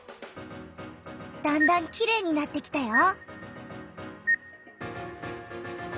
だんだんきれいになってきたよ！